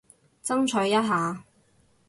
爭取一下